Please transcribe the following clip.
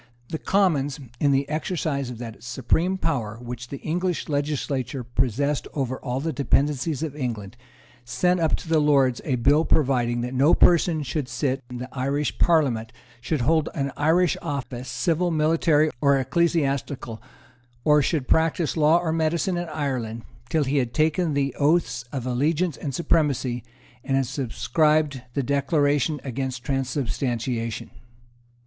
The Commons, in the exercise of that supreme power which the English legislature possessed over all the dependencies of England, sent up to the Lords a bill providing that no person should sit in the Irish Parliament, should hold any Irish office, civil, military or ecclesiastical, or should practise law or medicine in Ireland, till he had taken the Oaths of Allegiance and Supremacy, and subscribed the Declaration against Transubstantiation.